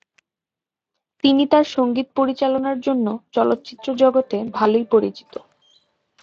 তিনি তার সঙ্গীত পরিচালনার জন্য চলচ্চিত্র জগতে ভালোই পরিচিত।